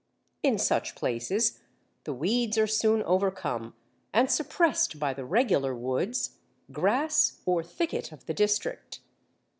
In such places the weeds are soon overcome and suppressed by the regular woods, grass, or thicket of the district.